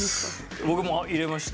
僕も入れました。